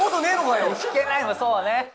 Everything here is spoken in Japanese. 弾けないの、そうね。